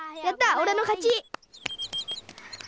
おれのかち！